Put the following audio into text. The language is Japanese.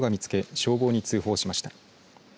消防に通報しました。